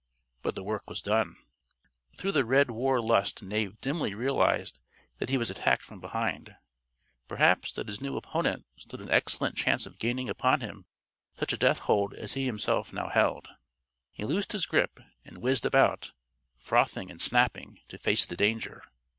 But the work was done. Through the red war lust Knave dimly realized that he was attacked from behind perhaps that his new opponent stood an excellent chance of gaining upon him such a death hold as he himself now held. He loosed his grip and whizzed about, frothing and snapping, to face the danger.